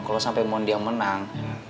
kalau sampai mondi yang menang